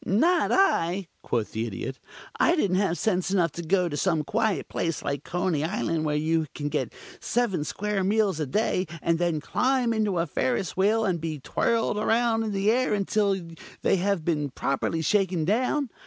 "Not I," quoth the Idiot. "I didn't have sense enough to go to some quiet place like Coney Island, where you can get seven square meals a day, and then climb into a Ferris Wheel and be twirled around in the air until they have been properly shaken down.